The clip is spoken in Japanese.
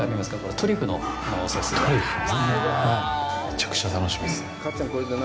めちゃくちゃ楽しみですね。